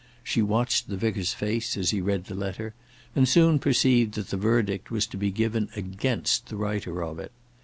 She watched the vicar's face as he read the letter, and soon perceived that the verdict was to be given against the writer of it.